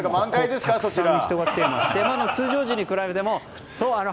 たくさん人が来ていまして通常時に比べても。